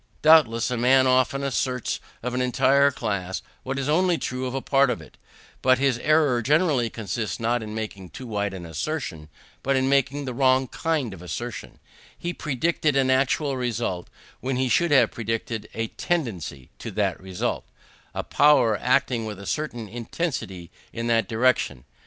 Doubtless, a man often asserts of an entire class what is only true of a part of it; but his error generally consists not in making too wide an assertion, but in making the wrong kind of assertion: he predicated an actual result, when he should only have predicated a tendency to that result a power acting with a certain intensity in that direction.